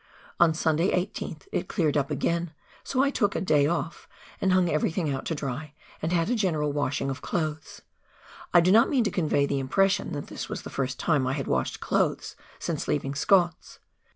On Sunday, 18th, it cleared up again, so I took a " day of£^' and hung everything out to dry, and had a general washing of clothes. I do not mean to convey the impression that this was the first time I had washed clothes since leaving Scott's